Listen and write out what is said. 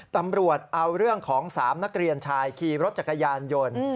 ตำรวจเอาเรื่องของ๓นักเรียนชายขี่รถจักรยานยนต์